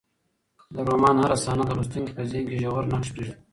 د رومان هره صحنه د لوستونکي په ذهن کې ژور نقش پرېږدي.